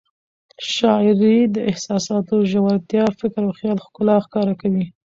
شاعري د احساساتو ژورتیا، فکر او خیال ښکلا ښکاره کوي.